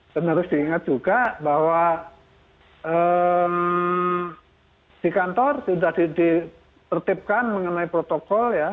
dan harus diingat juga bahwa di kantor sudah dipertipkan mengenai protokol ya